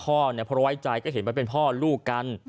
เพราะไว้ใจก็เห็นว่าเป็นพ่อลูกกัน